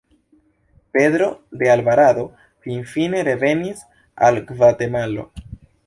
Pedro de Alvarado finfine revenis al Gvatemalo.